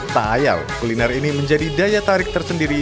tak ayal kuliner ini menjadi daya tarik tersendiri